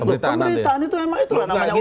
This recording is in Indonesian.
pemberitaan itu emang itu